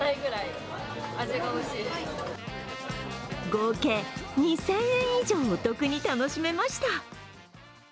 合計２０００円以上お得に楽しめました。